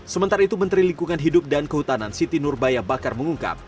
sementara itu menteri lingkungan hidup dan kehutanan siti nurbaya bakar mengungkap